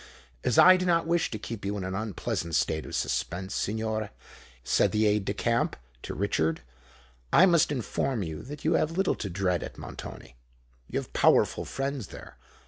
"As I do not wish to keep you in an unpleasant state of suspense, signor," said the aide de camp to Richard, "I must inform you that you have little to dread at Montoni. You have powerful friends there.